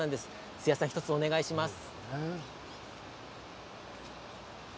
数矢さん、１つお願いします。